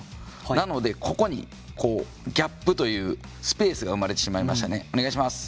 なので、ここにギャップというスペースが生まれてしまいました。